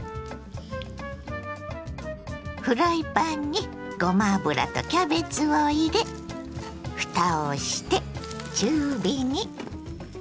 フライパンにごま油とキャベツを入れふたをして中火に。